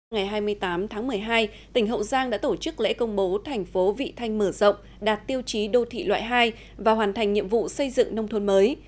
ngày hai mươi tám tháng một mươi hai tỉnh hậu giang đã tổ chức lễ công bố thành phố vị thanh mở rộng đạt tiêu chí đô thị loại hai và hoàn thành nhiệm vụ xây dựng nông thôn mới